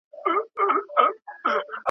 چاغوالي د ځیګر ستونزې لامل دی.